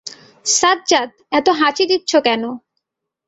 সাজ্জাদ, এত হাঁচি দিচ্ছো কেন?